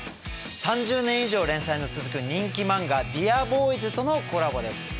３０年以上連載の続く人気漫画「ＤＥＡＲＢＯＹＳ」とのコラボです。